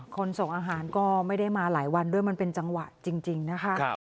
ส่งอาหารก็ไม่ได้มาหลายวันด้วยมันเป็นจังหวะจริงนะคะ